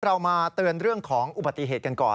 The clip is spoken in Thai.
เรามาเตือนเรื่องของอุบัติเหตุกันก่อน